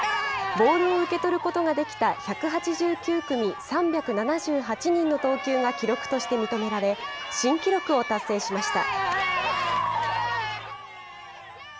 ボールを受け取ることができた１８９組３７８人の投球が記録として認められ、新記録を達成しました。